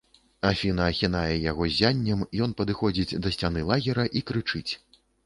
Афіна ахінае яго ззяннем, ён падыходзіць да сцяны лагера і крычыць.